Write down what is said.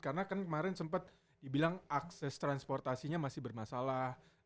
karena kan kemarin sempat dibilang akses transportasinya masih bermasalah